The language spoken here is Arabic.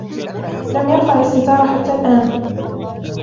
لم يرفع الستار حتى الآن.